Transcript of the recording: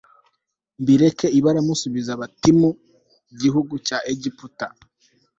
mbireke i baramusubiza batimu gihugu cya egiputa